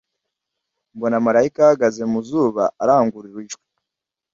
Mbona marayika ahagaze mu zuba arangurura ijwi,